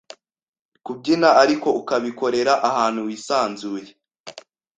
Kubyina ariko ukabikorera ahantu wisanzuye